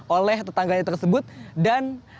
oleh tetangganya tersebut dan